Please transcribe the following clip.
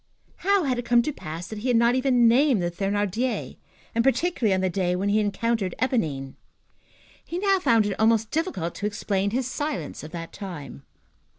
How had it come to pass that he had not even named the Thénardiers, and, particularly, on the day when he had encountered Éponine? He now found it almost difficult to explain his silence of that time.